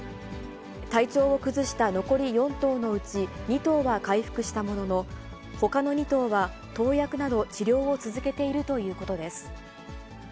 体調を崩した残り４頭のうち、２頭は回復したものの、ほかの２頭は投薬など、治療を続けているということです。